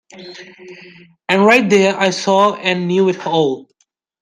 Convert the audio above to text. And right there I saw and knew it all.